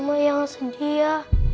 ma jangan sedih ya